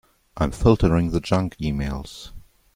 I'm filtering the junk emails.